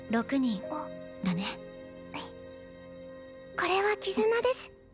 これは絆です。